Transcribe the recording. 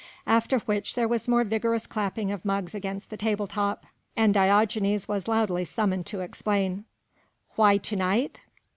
After which there was more vigorous clapping of mugs against the table top and Diogenes was loudly summoned to explain. "Why to night?